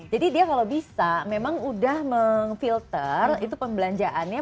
jadi dia kalau bisa memang udah meng filter itu pembelanjaannya